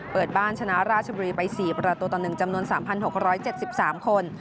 เปิดบ้านชนะราชบุรีไป๔ประตูต่อ๑จำนวน๓๖๗๓คน